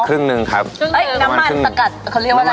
ครึ่งหนึ่งครับครึ่งน้ำมันสกัดเขาเรียกว่าอะไร